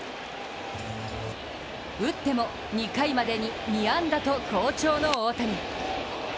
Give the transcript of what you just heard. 打っても２回までに２安打と好調の大谷。